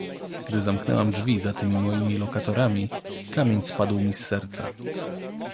"Gdy zamknęłam drzwi za tymi moimi lokatorami, kamień spadł mi z serca."